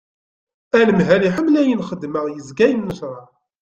Anemhal iḥemmel ayen xeddmeɣ yezga yennecraḥ.